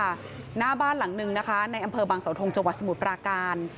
หน้าบ้านหลังหนึ่งในอำเภอบางสาวโทงจสมุทรปราการ